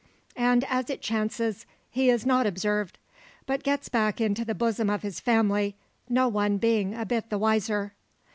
And as it chances, he is not observed; but gets back into the bosom of his family, no one being a bit the wiser.